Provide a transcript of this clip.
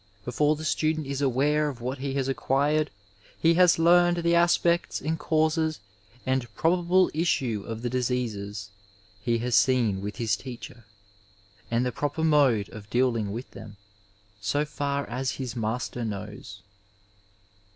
Before the student is aware of what he has acquired he has learned the aspects and causes and probable issue of the diseases he has seen with his teacher, and the proper mode of dealing with them, so far as his master knows.